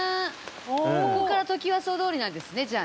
ここからトキワ荘通りなんですねじゃあね。